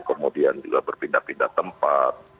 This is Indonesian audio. kemudian juga berpindah pindah tempat